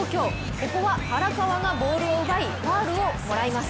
ここは原川がボールを奪いファウルをもらいます。